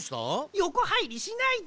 よこはいりしないで。